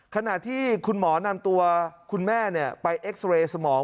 ขณะที่คุณหมอนำตัวคุณแม่ไปเอ็กซ์เรย์สมอง